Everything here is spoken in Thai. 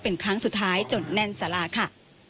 เป็นครั้งสุดท้ายจนแน่นสาราค่ะ